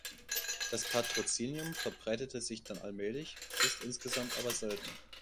Das Patrozinium verbreitete sich dann allmählich, ist insgesamt aber selten.